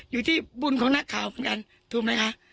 อยู่ที่บุญของนักข่าวเหมือนกันถูกไหมคะ